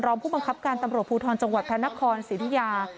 ผู้บังคับการตำรวจภูทรจังหวัดพระนครศิริยา